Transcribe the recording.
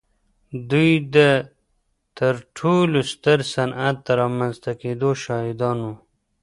دوی د تر ټولو ستر صنعت د رامنځته کېدو شاهدان وو.